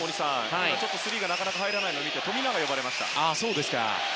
今、スリーが入らないのを見て富永が呼ばれましたね。